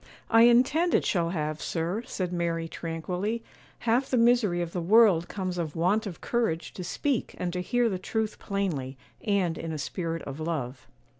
'I intend it shall have, sir,' said Mary, tranquilly; 'half the misery of the world comes of want of courage to speak and to hear the truth plainly, and in a spirit of love.